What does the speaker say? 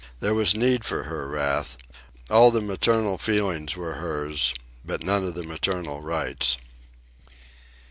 There was need for her wrath. All the maternal feelings were hers but none of the maternal rights.